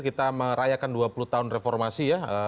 kita merayakan dua puluh tahun reformasi ya